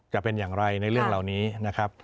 จะเป็นอย่างไรในเรื่องเหล่านี้นะครับ